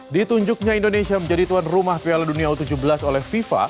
ditunjuknya indonesia menjadi tuan rumah piala dunia u tujuh belas oleh fifa